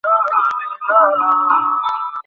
না, কোথাও হয়নি, কোন যুগে হয়নি।